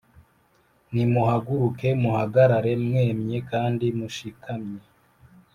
Nimuhaguruke muhagarare mwemye kandi mushikamye